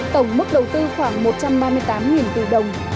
tổng mức đầu tư khoảng một trăm ba mươi tám tỷ đồng